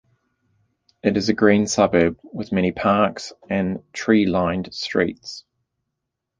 It is a green suburb with many parks and tree-lined streets.